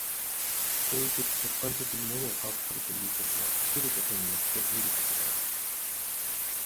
行為的直観的に物を把握するということは、作ることによって見ることである。